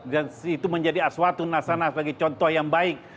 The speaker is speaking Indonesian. dan itu menjadi aswatu nasanah sebagai contoh yang baik